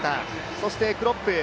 そしてクロップ